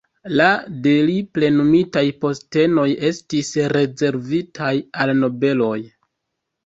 La de li plenumitaj postenoj estis rezervitaj al nobeloj.